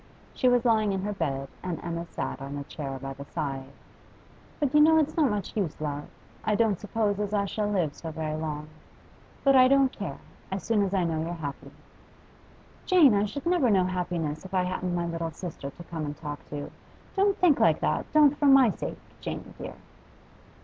She was lying in her bed, and Emma sat on a chair by the side. 'But you know it's not much use, love. I don't suppose as I shall live so very long. But I don't care, as soon as I know you're happy.' 'Jane, I should never know happiness if I hadn't my little sister to come and talk to. Don't think like that, don't for my sake, Janey dear!